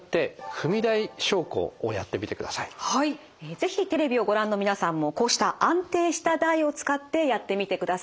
是非テレビをご覧の皆さんもこうした安定した台を使ってやってみてください。